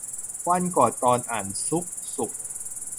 วันก่อนตอนอ่านซุกสุข